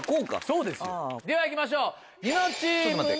そうですではいきましょう。